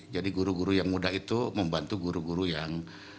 jadi guru guru yang muda itu membantu guru guru yang